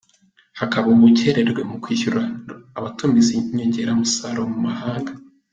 Hakaba ubukererwe mu kwishyura abatumiza inyongeramusaruro mu mahanga.